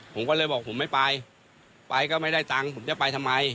ผมก็เลยบอกผมไม่ไปไปก็ไม่ได้ตังค์ผมจะไปทำไม